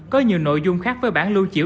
có nhiều nội dung khác với bản lưu chiếu